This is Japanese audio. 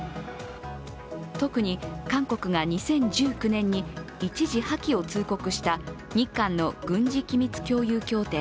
特に韓国が２０１９年に一時破棄を通告した日韓の軍事機密共有協定